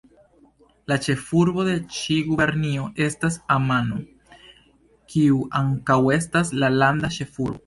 La ĉefurbo de ĉi gubernio estas Amano, kiu ankaŭ estas la landa ĉefurbo.